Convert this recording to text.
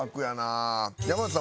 山内さん